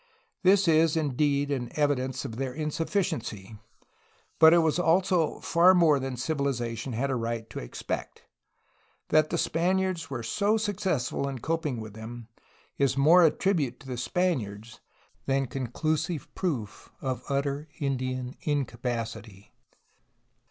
This is indeed an evidence of 20 A HISTORY OF CALIFORNIA their insufficiency, but it was also far more than civilization had a right to expect. That the Spaniards were so success ful in coping with them is more a tribute to the Spaniards than conclusive proof of utter Indian incapacity.